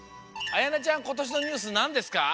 やなちゃんことしのニュースなんですか？